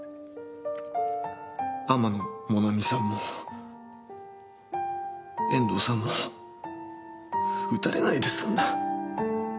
天野もなみさんも遠藤さんも撃たれないで済んだ。